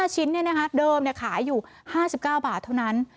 ๕ชิ้นเดิมขายอยู่๕๙บาทเท่านั้น